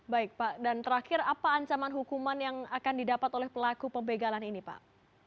baik pak dan terakhir apa ancaman hukuman yang akan didapat oleh pelaku pembegalan ini pak